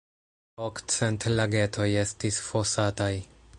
Okcent lagetoj estis fosataj.